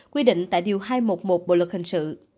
quy định tại điều hai trăm một mươi một bộ luật hình sự